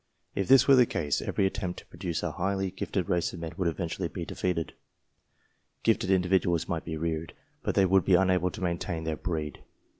If this were the case, every attempt to produce a highly gifted race of men would eventually be defeated. Gifted individuals might be reared, but they would be unable to maintain their breed.